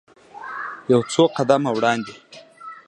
یو څو قدمه وړاندې.